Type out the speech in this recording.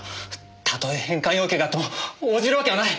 たとえ返還要求があっても応じるわけはない！